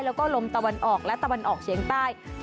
แล้วก็ลมตะวันออกและตะวันออกเฉียงใต้